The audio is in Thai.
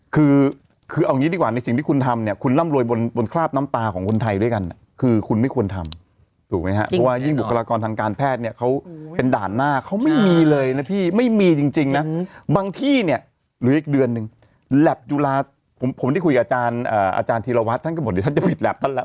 คือเอาอย่างนี้ดีกว่าในสิ่งที่คุณทำเนี่ยคุณล่ำรวยบนคราบน้ำตาของคนไทยด้วยกันคือคุณไม่ควรทำถูกไหมฮะเพราะว่ายิ่งบุคลากรทางการแพทย์เนี่ยเขาเป็นด่านหน้าเขาไม่มีเลยนะพี่ไม่มีจริงจริงนะบางที่เนี่ยหรืออีกเดือนหนึ่งแหลปจุฬาศาสตร์ผมผมที่คุยกับอาจารย์อ่าอาจารย์ธีรวรรษท